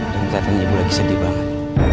dan kelihatan ibu lagi sedih banget